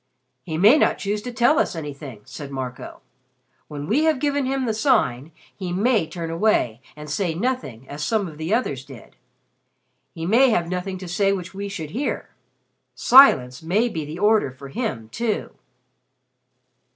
"He may not choose to tell us anything," said Marco. "When we have given him the Sign, he may turn away and say nothing as some of the others did. He may have nothing to say which we should hear. Silence may be the order for him, too."